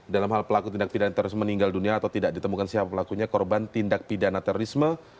dalam hal pelaku tindak pidana terorisme meninggal dunia atau tidak ditemukan siapa pelakunya korban tindak pidana terorisme